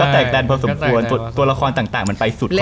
ก็แตกตันพอสมควรตัวละครต่างมันไปสุดของมัน